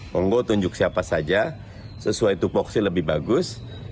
monggo tunjuk siapa saja sesuai tupuksi lebih bagus